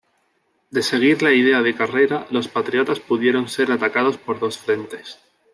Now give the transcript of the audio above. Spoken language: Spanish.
De seguir la idea de Carrera, los patriotas pudieron ser atacados por dos frentes.